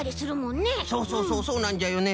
そうそうそうそうなんじゃよね。